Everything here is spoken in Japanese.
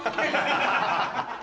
ハハハハ！